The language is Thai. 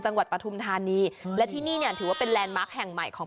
ปฐุมธานีและที่นี่เนี่ยถือว่าเป็นแลนด์มาร์คแห่งใหม่ของ